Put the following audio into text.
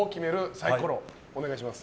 サイコロお願いします。